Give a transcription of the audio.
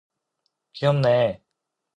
귀엽네!